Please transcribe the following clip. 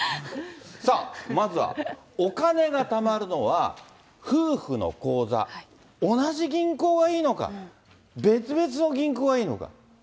さあ、まずはお金がたまるのは夫婦の口座、同じ銀行がいいのか、別々の銀行がいいのか。